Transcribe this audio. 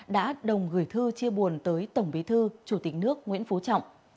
đã đồng gửi thư chia buồn tới tổng bí thư chủ tịch nước nguyễn phú trọng